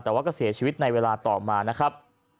แต่ว่าก็เสียชีวิตในเวลาต่อมานะครับ